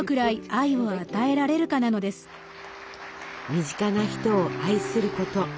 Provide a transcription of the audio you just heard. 身近な人を愛すること